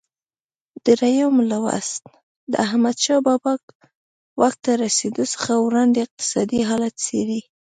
درېم لوست د احمدشاه بابا واک ته رسېدو څخه وړاندې اقتصادي حالت څېړي.